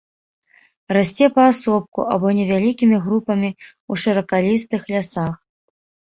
Расце паасобку або невялікімі групамі ў шыракалістых лясах.